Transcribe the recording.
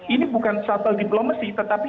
ini bukan satu diplomasi